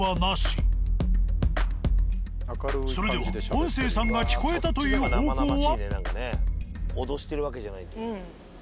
それでは音声さんが聞こえたという方向は？